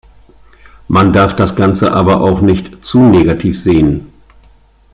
Man darf das Ganze aber auch nicht zu negativ sehen.